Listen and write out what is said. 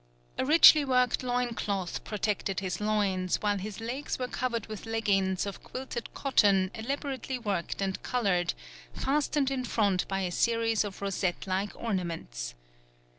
A richly worked loin cloth protected his loins, while his legs were covered with leggings of quilted cotton elaborately worked and coloured, fastened in front by a series of rosette like ornaments.